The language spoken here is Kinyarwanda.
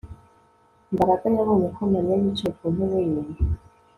Mbaraga yabonye ko Mariya yicaye ku ntebe ye